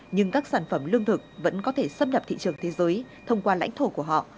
nhưng các sản phẩm lương thực vẫn có thể xâm nhập thị trường thế giới thông qua lãnh thổ của họ